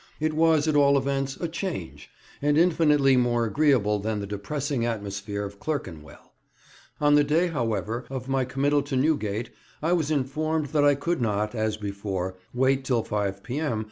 It was, at all events, a change, and infinitely more agreeable than the depressing atmosphere of Clerkenwell. On the day, however, of my committal to Newgate I was informed that I could not, as before, wait till 5 P.M.